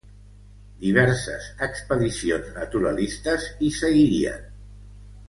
Diverses expedicions naturalistes hi seguirien.